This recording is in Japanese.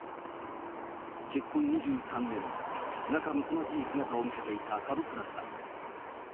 結婚２３年、仲むつまじい姿を見せていた門倉さん。